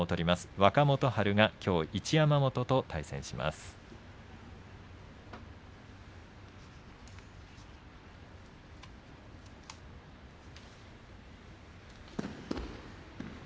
若元春がきょう一山本と対戦します。